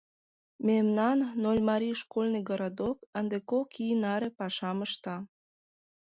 Мемнан Нольмарий школьный городок ынде кок ий наре пашам ышта.